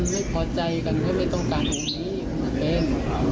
ไม่พอใจกันเพราะไม่ต้องการองค์นี้เป็น